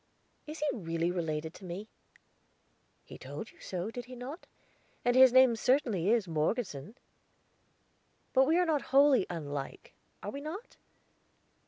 "Is he really related to me?" "He told you so, did he not? And his name certainly is Morgeson." "But we are wholly unlike, are we not?"